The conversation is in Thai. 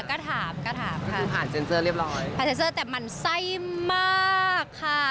ก็ถามก็ถามก็คือผ่านเซ็นเซอร์เรียบร้อยผ่านเซ็นเซอร์แต่มันไส้มากค่ะ